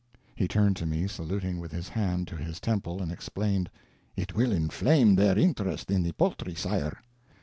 He turned to me, saluting with his hand to his temple, and explained, "It will inflame their interest in the poultry, sire."